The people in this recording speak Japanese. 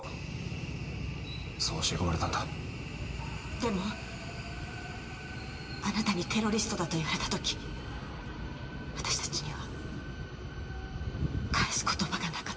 でもあなたにテロリストだと言われた時私たちには返す言葉がなかった。